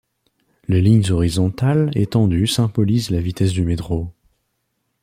Les lignes horizontales étendues symbolisent la vitesse du métro.